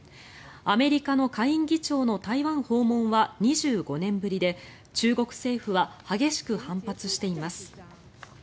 アメリカの下院議長の台湾訪問は２５年ぶりで中国政府は激しく反発しています。